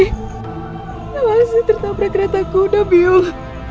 tidak wangi tertabrak kereta kuda biung